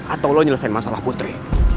atau lo nyelesain masalah putri